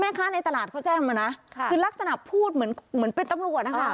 ค้าในตลาดเขาแจ้งมานะคือลักษณะพูดเหมือนเหมือนเป็นตำรวจนะคะ